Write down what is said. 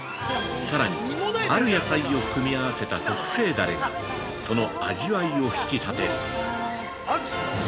さらに、ある野菜を組み合わせた特製ダレが、その味わいを引き立てる。